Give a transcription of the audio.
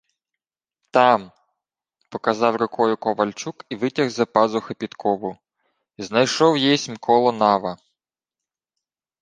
— Там, — показав рукою ковальчук і витяг з-за пазухи підкову. — Знайшов єсмь коло нава.